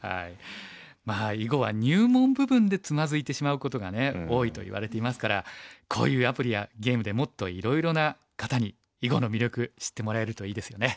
まあ囲碁は入門部分でつまずいてしまうことがね多いと言われていますからこういうアプリやゲームでもっといろいろな方に囲碁の魅力知ってもらえるといいですよね。